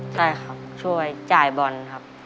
ใช่ครับช่วยจ่ายบอลครับ